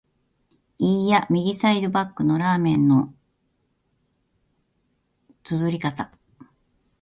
いーや、右サイドバックのラーメンの啜り方！